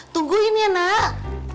tungguin ya nak